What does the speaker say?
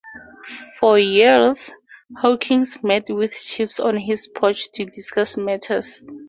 For years, Hawkins met with chiefs on his porch to discuss matters.